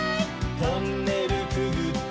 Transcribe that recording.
「トンネルくぐって」